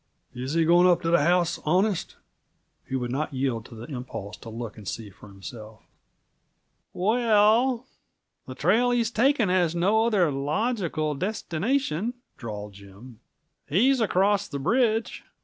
"Is he going up to the house honest?" He would not yield to the impulse to look and see for himself. "We el, the trail he's taking has no other logical destination," drawled Jim. "He's across the bridge."